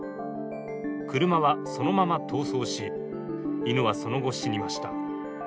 車はそのまま逃走し、犬はその後、死にました。